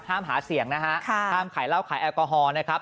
ห้ามหาเสียงนะฮะห้ามขายเหล้าขายแอลกอฮอล์นะครับ